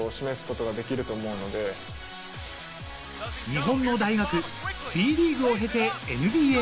日本の大学、Ｂリーグを経てＮＢＡへ。